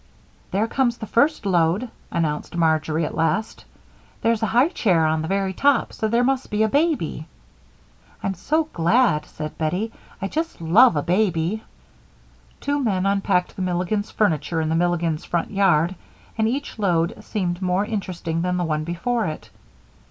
"There comes the first load," announced Marjory, at last. "There's a high chair on the very top, so there must be a baby." "I'm so glad," said Bettie. "I just love a baby." Two men unpacked the Milligans' furniture in the Milligans' front yard, and each load seemed more interesting than the one before it.